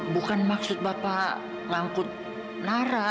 bukan maksud bapak ngangkut nara